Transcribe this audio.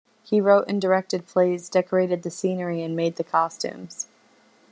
He wrote and directed plays, decorated the scenery and made the costumes.